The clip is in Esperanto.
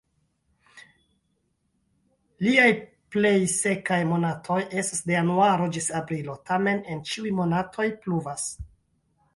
Lia plej sekaj monatoj estas de januaro ĝis aprilo, tamen, en ĉiuj monatoj pluvas.